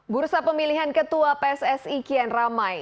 bursa pemilihan ketua pssi kian ramai